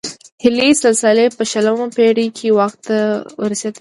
هیلي سلاسي په شلمه پېړۍ کې واک ته ورسېد.